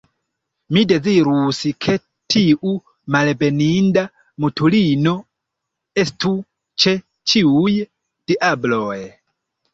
Mi dezirus, ke tiu malbeninda mutulino estu ĉe ĉiuj diabloj!